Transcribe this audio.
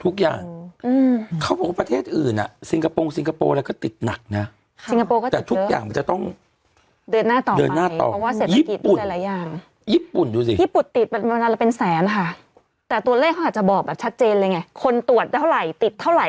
ทุกอย่างเขาบอกประเทศอื่นอะซิงคโปร์ซิงคโปร์อะไรก็ติดหนักนะ